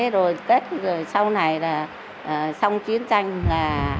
rồi tết sau này là xong chiến tranh là